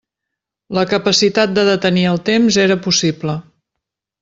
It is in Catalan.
La capacitat de detenir el temps era possible.